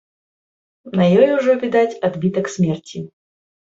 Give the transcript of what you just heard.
На ёй ужо відаць адбітак смерці.